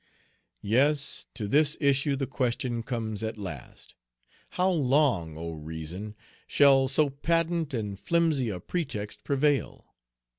Yes, to this issue the question comes at last. How long, O reason, shall so patent and flimsy a pretext prevail?